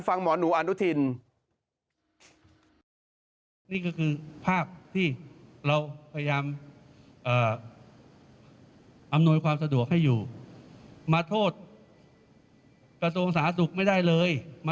ฟังหมอนูอันตุธินธรรม